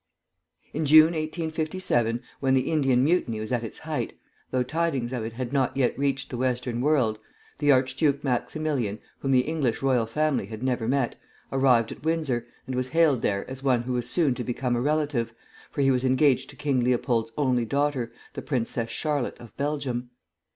In June, 1857, when the Indian Mutiny was at its height, though tidings of it had not yet reached the western world, the Archduke Maximilian, whom the English royal family had never met, arrived at Windsor, and was hailed there as one who was soon to become a relative, for he was engaged to King Leopold's only daughter, the Princess Charlotte of Belgium.